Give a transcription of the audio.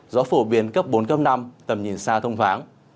gió phổ biến cấp bốn cấp năm tầm nhìn xa thông thoáng